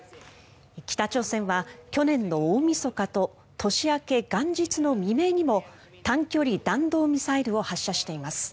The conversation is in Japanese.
北朝鮮は去年の大みそかと年明け元日の未明にも短距離弾道ミサイルを発射しています。